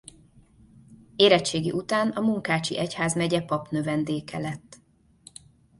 Érettségi után a munkácsi egyházmegye papnövendéke lett.